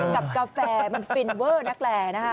กับกาแฟมันฟินเว่อร์นักแกร่นะฮะ